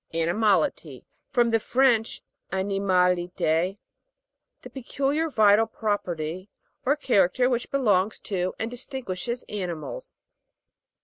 AXIMA'LITY. From the French, ani maliti. The peculiar vitai pro perty or character which belongs to and distinguishes animals.